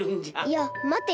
いやまてよ。